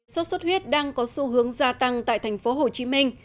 sốt xuất huyết đang có xu hướng gia tăng tại thành phố hồ chí minh